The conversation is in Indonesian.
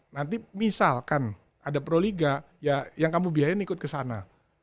nanti misalkan ada proliga ya yang kamu biayain ikut ke sana